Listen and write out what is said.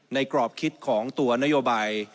กรอบคิดของตัวนโยบาย